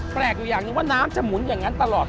แปลกอยู่อย่างหนึ่งว่าน้ำจะหมุนอย่างนั้นตลอด